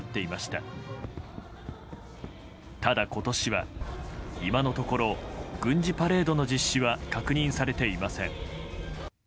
ただ今年は、今のところ軍事パレードの実施は確認されていません。